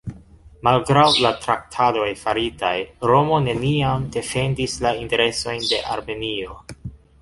Malgraŭ la traktadoj faritaj, Romo neniam defendis la interesojn de Armenio.